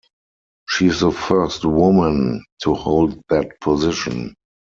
She is the first woman to hold that position.